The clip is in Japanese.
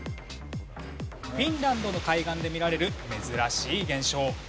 フィンランドの海岸で見られる珍しい現象。